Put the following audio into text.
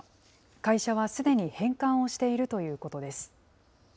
会社はすでに返還をしているということです。